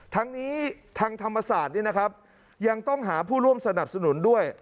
ทั้งนี้ทางธรรมศาสตร์ยังต้องหาผู้ร่วมสนับสนุนด้วย